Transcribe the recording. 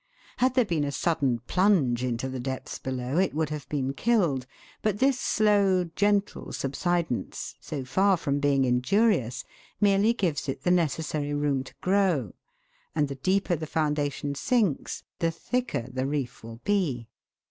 Had there been a sudden plunge into the depths below, it would have been killed; but this slow, gentle subsidence, so far from being injurious, merely gives it the necessary room to grow, and the deeper the foundation sinks, the thicker the reef will be.